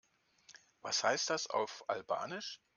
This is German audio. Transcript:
Was heißt das auf Albanisch?